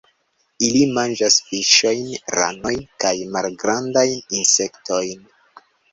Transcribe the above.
Ili manĝas fiŝojn, ranojn kaj malgrandajn insektojn.